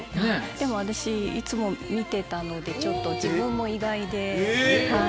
でも私いつも見てたのでちょっと自分も意外ではい。